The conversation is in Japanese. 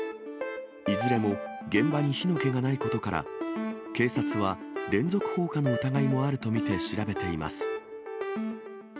いずれも現場に火の気がないことから、警察は連続放火の疑いもあると見て、調べています。